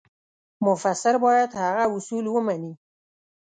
مفسر باید هغه اصول ومني.